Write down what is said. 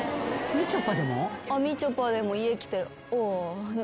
みちょぱでも家来て。